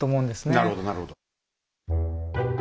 なるほどなるほど。